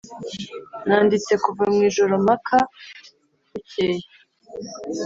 nanditse kuva mwijoro mpaka bukeye